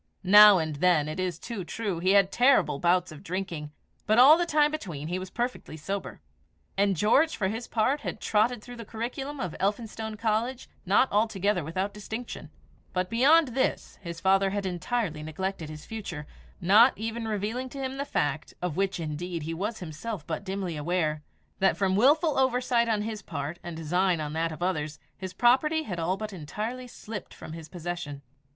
Now and then, it is too true, he had terrible bouts of drinking; but all the time between he was perfectly sober. He had given his son more than a fair education; and George, for his part, had trotted through the curriculum of Elphinstone College not altogether without distinction. But beyond this his father had entirely neglected his future, not even revealing to him the fact of which, indeed, he was himself but dimly aware that from wilful oversight on his part and design on that of others, his property had all but entirely slipped from his possession.